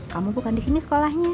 kamu bukan di sini sekolahnya